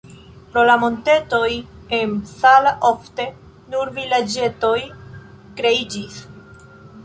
Pro la montetoj en Zala ofte nur vilaĝetoj kreiĝis.